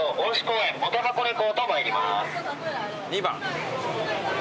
２番。